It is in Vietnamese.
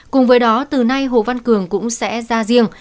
cùng với đó từ nay hồ văn cường cũng sẽ ra riêng